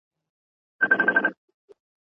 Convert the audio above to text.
هغه مرغۍ والوته،